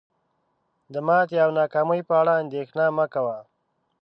د ماتي او ناکامی په اړه اندیښنه مه کوه